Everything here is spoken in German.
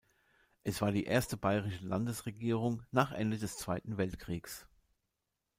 Es war die erste bayerische Landesregierung nach Ende des Zweiten Weltkriegs.